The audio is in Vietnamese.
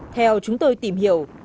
theo chúng tôi tìm hiểu